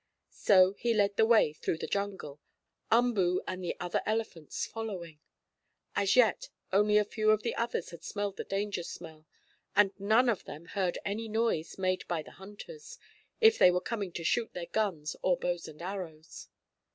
So he led the way through the jungle, Umboo and the other elephants following. As yet only a few of the others had smelled the danger smell, and none of them heard any noise made by the hunters, if they were coming to shoot their guns or bows and arrows.